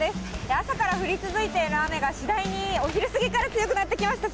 朝から降り続いている雨が、次第にお昼過ぎから強くなってきました。